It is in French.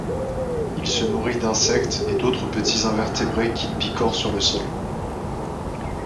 Il se nourrit d'insectes et d'autres petits invertébrés qu'il picore sur le sol.